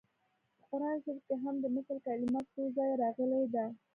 په قران شریف کې هم د مثل کلمه څو ځایه راغلې ده